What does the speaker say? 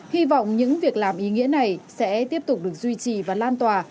hy vọng những việc làm ý nghĩa này sẽ tiếp tục được duy trì và lan tỏa